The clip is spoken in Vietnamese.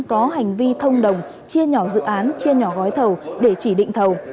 có hành vi thông đồng chia nhỏ dự án chia nhỏ gói thầu để chỉ định thầu